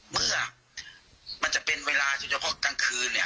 เมื่อมันจะเป็นเวลาโดยเฉพาะกลางคืนเนี่ย